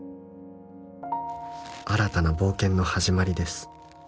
「新たな冒険の始まりです」